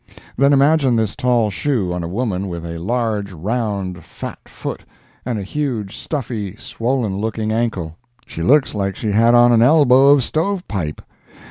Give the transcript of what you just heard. Then imagine this tall shoe on a woman with a large, round, fat foot, and a huge, stuffy, swollen looking ankle. She looks like she had on an elbow of stove pipe.